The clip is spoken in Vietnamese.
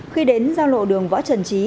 khi đến giao lộ đường võ trần chí